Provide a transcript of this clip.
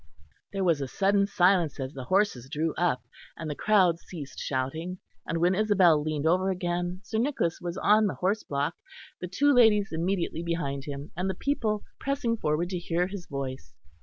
There was a sudden silence as the horses drew up; and the crowds ceased shouting, and when Isabel leaned over again Sir Nicholas was on the horse block, the two ladies immediately behind him, and the people pressing forward to hear his voice.